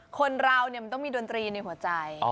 คนเรามันต้องมีดนตรีในหัวใจ